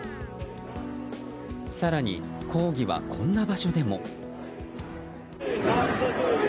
更に、抗議はこんな場所でも。